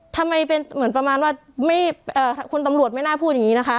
ทำไมเป็นเหมือนประมาณว่าคุณตำรวจไม่น่าพูดอย่างนี้นะคะ